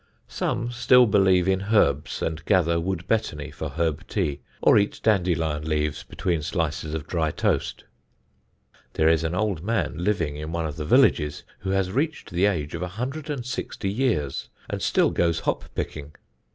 Some still believe in herbs, and gather wood betony for herb tea, or eat dandelion leaves between slices of dry toast. There is an old man living in one of the villages who has reached the age of a hundred and sixty years, and still goes hop picking.